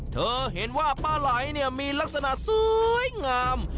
เธอเห็นว่าปลาไหลเนี่ยมีลักษณะสวยงาม